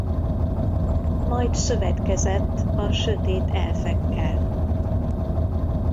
Majd szövetkezett a Sötét Elfekkel.